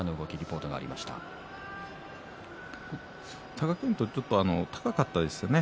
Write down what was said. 貴健斗はちょっと高かったですね